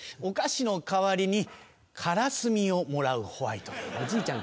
お菓子の代わりにカラスミをもらうホワイトデー。